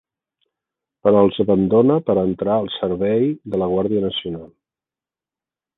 Però els abandona per entrar al servei de la Guarda nacional.